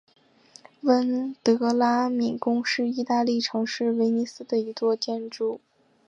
温德拉敏宫是义大利城市威尼斯的一座建筑。